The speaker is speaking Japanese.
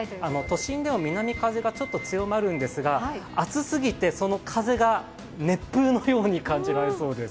都心では南風がちょっと強まるんですが、あつすぎて、その風が熱風のように感じられそうです。